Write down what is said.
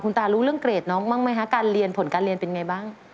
ตารู้เรื่องเกรดน้องบ้างไหมคะการเรียนผลการเรียนเป็นไงบ้าง